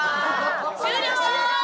終了！